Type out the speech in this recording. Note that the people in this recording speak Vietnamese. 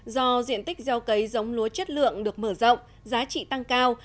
do diện tích gieo cấy giống lúa chất lượng được mở rộng giá trị tăng cao